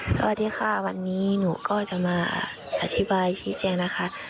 สวัสดีค่ะวันนี้หนูก็จะมาอธิบายชี้แจงนะคะ